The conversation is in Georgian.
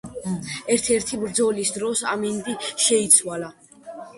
ერთ-ერთი ბრძოლის დროს ამინდი შეიცვალა.